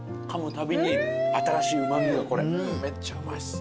たびに新しいうま味がこれめっちゃうまいっす。